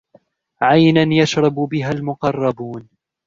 عينا يشرب بها المقربون